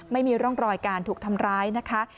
ไม่มีร่องรอยการถูกทำร้ายนะคะ